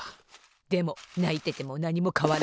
でもないててもなにもかわらない！